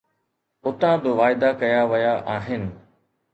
اتان به واعدا ڪيا ويا آهن.